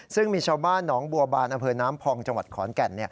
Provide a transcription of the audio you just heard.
ซึ่งมีชาวบ้านหนองบัวบานอำเภอน้ำพองจังหวัดขอนแก่น